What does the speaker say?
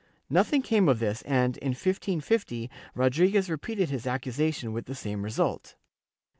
Nothing came of this and, in 1550, Rodriguez repeated his accusation, with the same result.